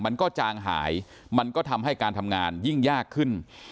มันก็จางหายมันก็ทำให้การทำงานยิ่งยากขึ้น